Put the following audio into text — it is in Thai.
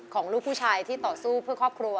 ของลูกผู้ชายที่ต่อสู้เพื่อครอบครัว